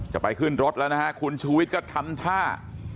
จะไปขึ้นรถแล้วนะครับคุณชุวิตก็ทำท่า